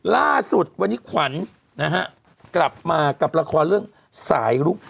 ล่าสุดวันนี้ขวัญนะฮะกลับมากับละครเรื่องสายลุก